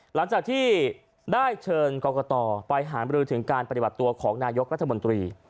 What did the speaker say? หลังจากที่ได้เชิญกรกตไปหามรือถึงการปฏิบัติตัวของนายกรัฐมนตรี